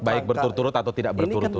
baik berturut turut atau tidak berturut turut